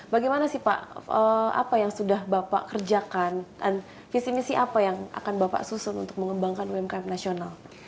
bagaimana sih pak apa yang sudah bapak kerjakan dan visi misi apa yang akan bapak susun untuk mengembangkan umkm nasional